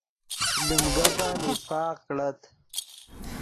لیم گپن اتفاق کڑت